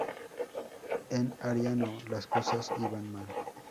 En Ariano, las cosas iban mal.